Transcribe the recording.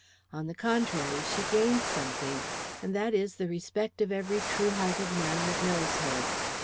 On the contrary, she gains something, and that is the respect of every true hearted man that knows her."